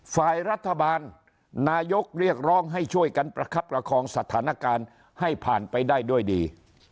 ฝ่ายรัฐบาลนายกเรียกร้องให้ช่วยกันประคับประคองสถานการณ์ให้ผ่านไปได้ด้วยดี